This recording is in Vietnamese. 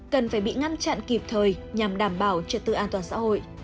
cần phải bị ngăn chặn kịp thời nhằm đảm bảo trật tự an toàn xã hội